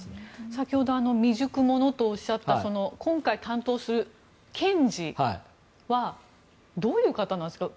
先ほど未熟者とおっしゃった今回担当する検事はどういう方なんですか？